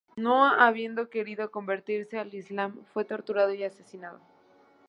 No habiendo querido convertirse al Islam fue torturado y asesinado.